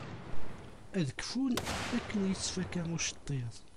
Ad kfun akken yettfaka uceṭṭiḍ.